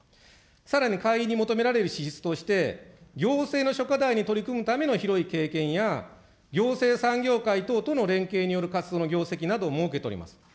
さらに会員に求められる資質として、行政の諸課題に取り組むための広い経験や、行政産業界等との連携による活動の業績などを設けております。